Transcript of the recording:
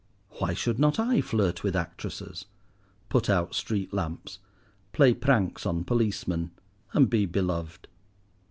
Why should not I flirt with actresses, put out street lamps, play pranks on policemen, and be beloved?